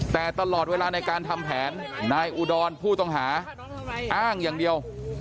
แต่ตลอดเวลาในการทำแผนนายอุดรผู้ต้องหาอ้างอย่างเดียว